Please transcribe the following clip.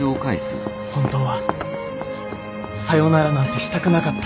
本当はさよならなんてしたくなかった